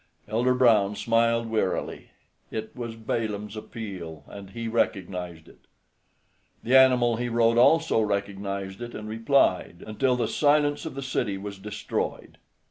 Elder Brown smiled wearily: it was Balaam's appeal, and he recognized it. The animal he rode also recognized it, and replied, until the silence of the city was destroyed.